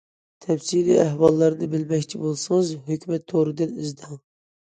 تەپسىلىي ئەھۋاللارنى بىلمەكچى بولسىڭىز ھۆكۈمەت تورىدىن ئىزدەڭ.